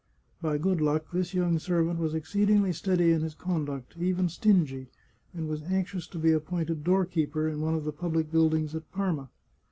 By good luck, this young servant was exceedingly steady in his conduct, even stingy, and was anxious to be appointed doorkeeper in one of the public buildings at Parma.